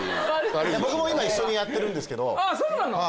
僕も今一緒にやってるんですけどああそうなの？